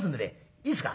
いいですか？